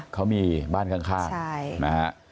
เขามีบ้านข้าง